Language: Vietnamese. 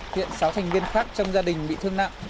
hiện sáu thành viên khác trong gia đình bị thương nặng